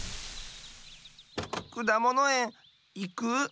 くだものえんいく？